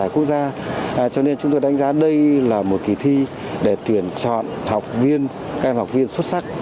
cho nên chúng tôi đánh giá đây là một kỳ thi để tuyển chọn các em học viên xuất sắc